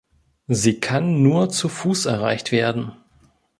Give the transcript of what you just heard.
Sie kann nur zu Fuß erreicht werden.